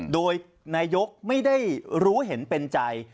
โดยนายกไม่ได้รู้เห็นเป็นใจ